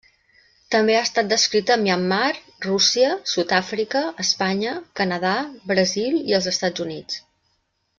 També ha estat descrita a Myanmar, Rússia, Sud-àfrica, Espanya, Canadà, Brasil i els Estats Units.